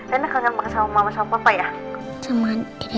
reina kangen banget sama mama sama papa ya